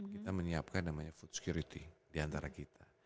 kita menyiapkan namanya food security diantara kita